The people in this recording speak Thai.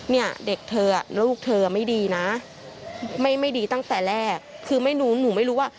เนี่ยเด็กเธอลูกเธอไม่ดีนะไม่ดีตั้งแต่แรกคือไม่รู้หนูไม่รู้ว่า